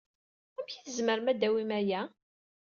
Amek ay tzemrem ad tawyem aya?